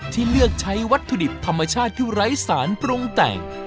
ที่เลือกใช้วัตถุดิบธรรมชาติที่ไร้สารปรุงแต่ง